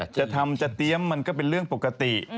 จะทำจะเตรียมมันก็เป็นเรื่องปกติ